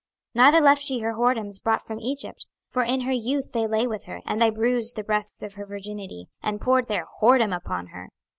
26:023:008 Neither left she her whoredoms brought from Egypt: for in her youth they lay with her, and they bruised the breasts of her virginity, and poured their whoredom upon her.